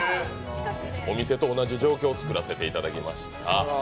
お店と同じ状況をつくらせていただきました。